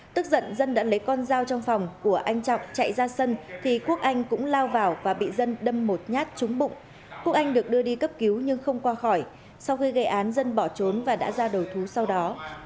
tức giận dân đã lấy con dao trong phòng của anh trọng chạy ra sân thì quốc anh cũng lao vào và bị dân đâm một nhát trúng bụng quốc anh được đưa đi cấp cứu nhưng không qua khỏi sau khi gây án dân bỏ trốn và đã ra đầu thú sau đó